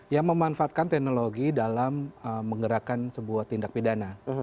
yang memanfaatkan teknologi dalam menggerakkan sebuah tindak pidana